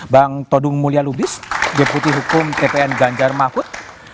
bang todung mulia lubis deputi hukum tpn ganjar mahfud